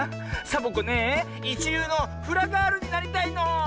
サボ子ねえいちりゅうのフラガールになりたいの！